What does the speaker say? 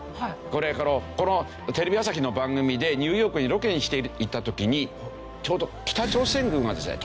これこのテレビ朝日の番組でニューヨークでロケをしていた時にちょうど北朝鮮軍がですね